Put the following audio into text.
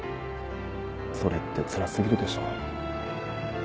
それってつらすぎるでしょ。